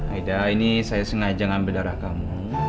aida ini saya sengaja mengambil darah kamu